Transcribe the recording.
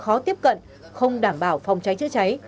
không có tiếp cận không đảm bảo phòng cháy chữa cháy